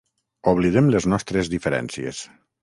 Oblidem les nostres diferències.